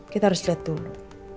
kita harus lihat dulu